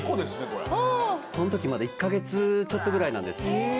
これこの時まだ１カ月ちょっとぐらいなんです